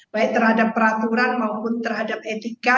baik terhadap peraturan maupun terhadap etika